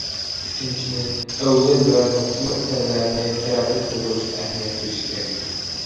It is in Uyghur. ئۈچىنچىدىن، ئەۋزەل ۋە نۇقتىلىق پەنلەرنى تەرەققىي قىلدۇرۇشقا ئەھمىيەت بېرىش كېرەك.